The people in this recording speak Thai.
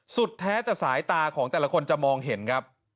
แท้แต่สายตาของแต่ละคนจะมองเห็นครับ